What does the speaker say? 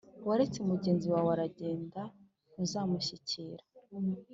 waretse mugenzi wawe aragenda, ntuzamushyikira.